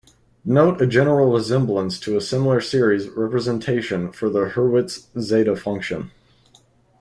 Note a general resemblance to a similar series representation for the Hurwitz zeta function.